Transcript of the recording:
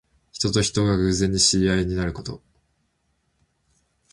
人と人とが偶然に知り合いになること。